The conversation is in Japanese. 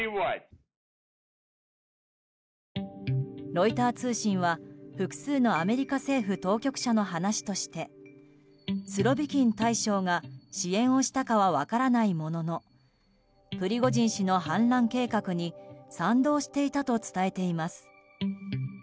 ロイター通信は、複数のアメリカ政府当局者の話としてスロビキン大将が支援をしたかは分からないもののプリゴジン氏の反乱計画に賛同していたと伝えています。